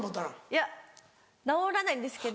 いや直らないんですけど。